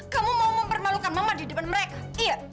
kamu mau mempermalukan mama di depan mereka iya